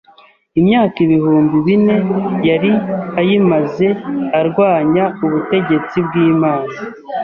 Imyaka ibihumbi bine yari ayimaze arwanya ubutegetsi bw’Imana